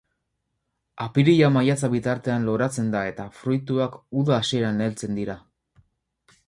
Apirila-maiatza bitartean loratzen da eta fruituak uda hasieran heltzen dira.